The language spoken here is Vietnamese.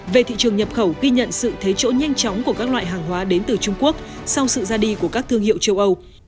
về thị trường nhập khẩu ghi nhận sự thế chỗ nhanh chóng của các loại hàng hóa đến từ trung quốc sau sự ra đi của các thương hiệu châu âu